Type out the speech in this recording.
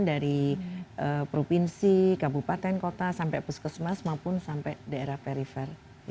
dari provinsi kabupaten kota sampai puskesmas maupun sampai daerah perifer